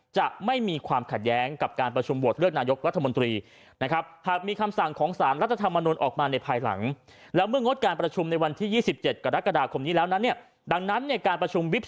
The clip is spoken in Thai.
จะไม่มีความขัดแย้งกับการประชุมโหวตเลือกนายกรัฐมนตรีนะครับ